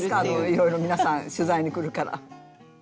いろいろ皆さん取材に来るから。